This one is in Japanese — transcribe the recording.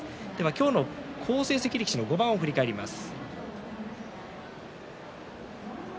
好成績力士の５番を振り返ります。